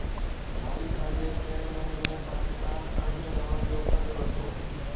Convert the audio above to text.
مالي سال جي پهرين مهيني ۾ پاڪستان اربين ڊالرن جو قرض ورتو